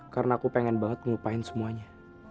karena aku pengen banget ngelupain semuanya